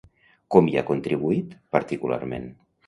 Com hi ha contribuït, particularment?